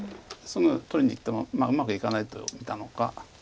すぐ取りにいってもうまくいかないと見たのか。